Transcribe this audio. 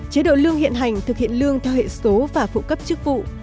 chế độ lương hiện hành thực hiện lương theo hệ số và phụ cấp chức vụ